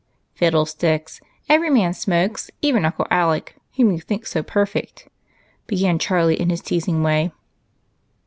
" Fiddle sticks ! every man smokes, even Uncle Alec, whom you think so perfect," began Charlie, in his teasing way.